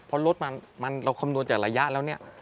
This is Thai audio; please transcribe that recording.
พอลดมาเราคำนวณจากระยะแล้วเนี่ย